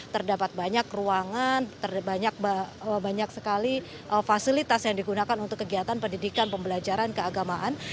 terdapat banyak ruangan banyak sekali fasilitas yang digunakan untuk kegiatan pendidikan pembelajaran keagamaan